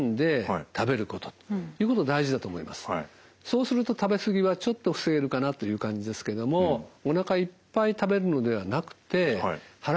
そうすると食べ過ぎはちょっと防げるかなという感じですけどもおなかいっぱい食べるのではなくて腹